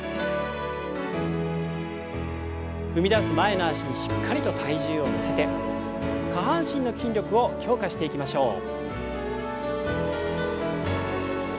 踏み出す前の脚にしっかりと体重を乗せて下半身の筋力を強化していきましょう。